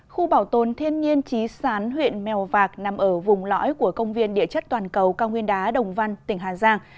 khu bảo tồn thiên nhiên trí sán huyện mèo vạc nằm ở vùng lõi của công viên địa chất toàn cầu cao nguyên đá đồng văn tỉnh hà giang